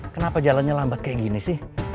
kenapa jalannya lambat kayak gini sih